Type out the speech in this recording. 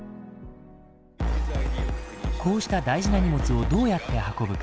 こうした大事な荷物をどうやって運ぶか。